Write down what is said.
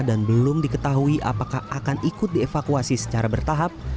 dan belum diketahui apakah akan ikut dievakuasi secara bertahap